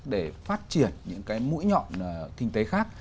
để phát triển những cái mũi nhọn kinh tế khác